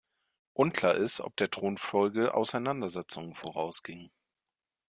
Unklar ist, ob der Thronfolge Auseinandersetzungen vorausgingen.